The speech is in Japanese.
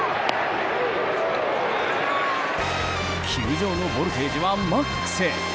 球場のボルテージはマックス。